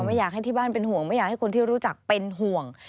ไม่อยากให้ที่บ้านเป็นห่วงไม่อยากให้คนที่รู้จักเป็นห่วง